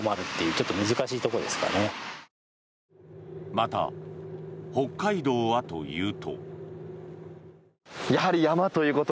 また北海道はというと。